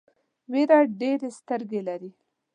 وېره ډېرې سترګې لري.